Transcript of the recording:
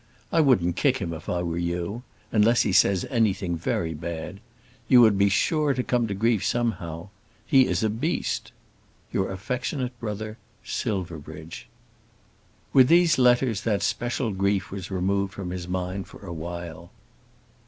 I wouldn't kick him if I were you, unless he says anything very bad. You would be sure to come to grief somehow. He is a beast. Your affectionate Brother, SILVERBRIDGE. With these letters that special grief was removed from his mind for awhile.